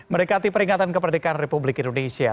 merikati peringatan keperdekaan republik indonesia